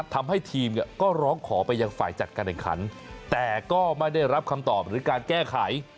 ทำให้ทีมก็ร้องขอไปยังฝ่ายจัดการแห่งขันแต่ก็ไม่ได้รับคำตอบหรือการแก้ไข